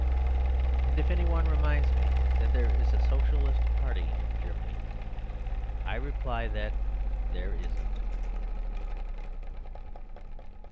And if anyone reminds me that there is a Socialist Party in Germany, I reply that there isn't.